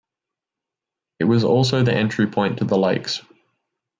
It was also the entry point to the lakes.